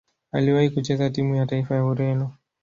Aliwahi kucheza timu ya taifa ya Ureno.